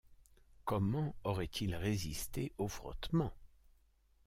Comment auraient-ils résisté aux frottements